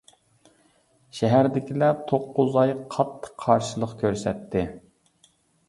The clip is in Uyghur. شەھەردىكىلەر توققۇز ئاي قاتتىق قارشىلىق كۆرسەتتى.